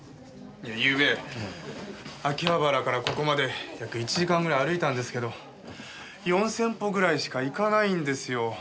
ゆうべ秋葉原からここまで約１時間ぐらい歩いたんですけど４０００歩ぐらいしかいかないんですよ。